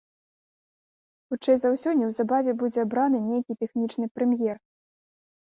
Хутчэй за ўсё, неўзабаве будзе абраны нейкі тэхнічны прэм'ер.